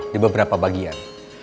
di beberapa bagian